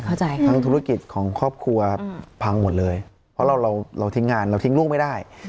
ทุกธุรกิจของครอบครัวพังหมดเลยเพราะเราทิ้งงานเราทิ้งลูกไม่ได้